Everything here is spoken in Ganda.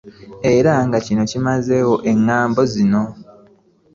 Era nga kino kimazeewo engambo zino.